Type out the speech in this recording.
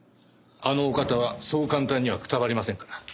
あのお方はそう簡単にはくたばりませんから。